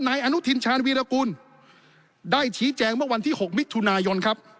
นายอนุทินชาญวีรกูลได้ชี้แจงเมื่อวันที่๖มิถุนายนครับ